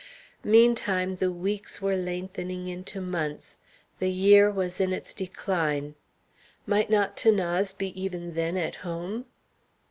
Meantime the weeks were lengthening into months; the year was in its decline. Might not 'Thanase be even then at home?